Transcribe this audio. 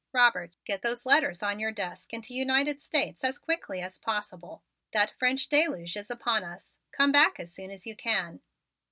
Robert, get those letters on your desk into United States as quickly as possible. That French deluge is upon us. Come back as soon as you can."